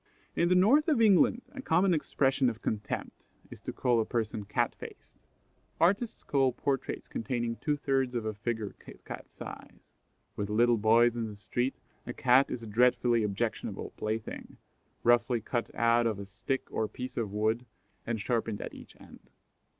In the North of England, a common expression of contempt is to call a person Cat faced. Artists call portraits containing two thirds of the figure Kit cat size. With little boys in the street a Cat is a dreadfully objectionable plaything, roughly cut out of a stick or piece of wood, and sharpened at each end.